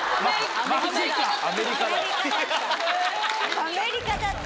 アメリカだった。